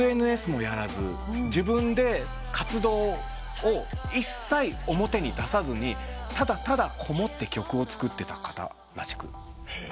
ＳＮＳもやらず自分で活動を一切表に出さずにただただこもって曲を作ってた方らしく。